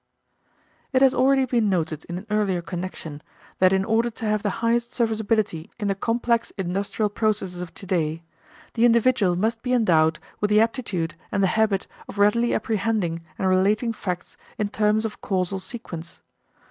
It has already been noted in an earlier connection, that in order to have the highest serviceability in the complex industrial processes of today, the individual must be endowed with the aptitude and the habit of readily apprehending and relating facts in terms of causal sequence.